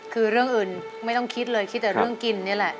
คือเรื่องอื่นไม่ต้องคิดเลยคิดแต่เรื่องกินนี่แหละ